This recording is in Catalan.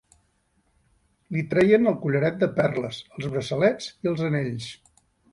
Li treien el collaret de perles, els braçalets i els anells.